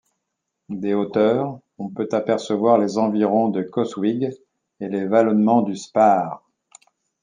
Des hauteurs, on peut apercevoir les environs de Coswig et les vallonnements du Spaar.